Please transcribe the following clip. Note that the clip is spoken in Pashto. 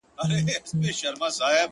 څه موده مخکې دې پلار د ټیکۍ سر